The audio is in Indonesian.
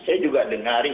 saya juga dengar itu